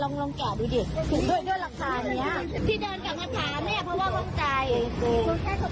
ตั้งลูกนี้มาเลยเท่าไหร่